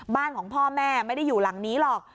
บ้านของพ่อแม่ไม่ได้อยู่หลังนี้หรอก